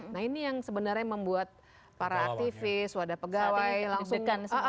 nah ini yang sebenarnya membuat para aktivis wadah pegawai langsung